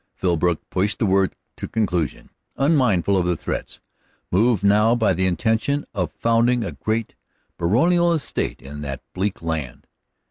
Philbrook pushed the work to conclusion, unmindful of the threats, moved now by the intention of founding a great, baronial estate in that bleak land.